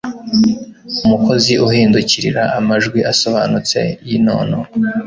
Umukozi uhindukirira amajwi asobanutse yinono